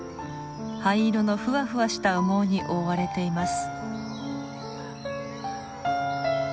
灰色のふわふわした羽毛に覆われています。